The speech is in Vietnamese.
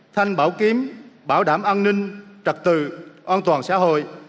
thanh bảo kiếm bảo đảm an ninh trật tự an toàn xã hội